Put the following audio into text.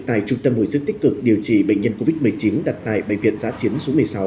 tại trung tâm hồi sức tích cực điều trị bệnh nhân covid một mươi chín đặt tại bệnh viện giá chiến số một mươi sáu